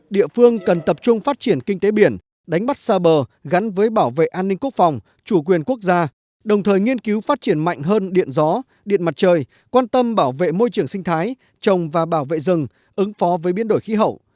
địa phương cần tập trung phát triển kinh tế biển đánh bắt xa bờ gắn với bảo vệ an ninh quốc phòng chủ quyền quốc gia đồng thời nghiên cứu phát triển mạnh hơn điện gió điện mặt trời quan tâm bảo vệ môi trường sinh thái trồng và bảo vệ rừng ứng phó với biến đổi khí hậu